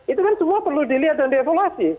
itu kan semua perlu dilihat dan dievaluasi